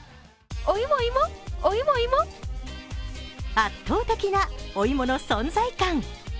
圧倒的なお芋の存在感。